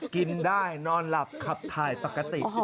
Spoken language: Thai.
กินได้นอนหลับขับถ่ายปกติ